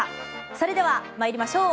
それでは参りましょう。